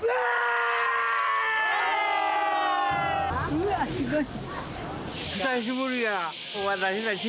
うわすごい。